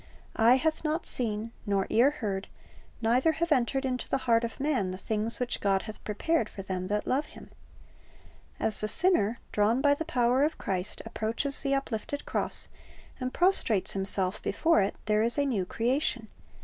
"Eye hath not seen, nor ear heard, neither have entered into the heart of man, the things which God hath prepared for them that love Him."' As the sinner, drawn by the power of Christ, approaches the uplifted cross, and prostrates himself before it, there is a new creation.